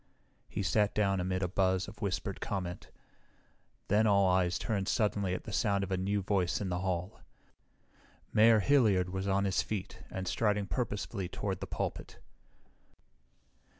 He sat down amid a buzz of whispered comment. Then all eyes turned suddenly at the sound of a new voice in the hall. Mayor Hilliard was on his feet and striding purposefully toward the pulpit.